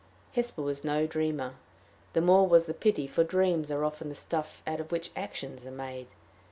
Hesper was no dreamer the more was the pity, for dreams are often the stuff out of which actions are made.